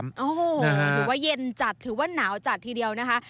หรือว่าเย็นจัดถือว่าหนาวจัดทีเดียวนะคะ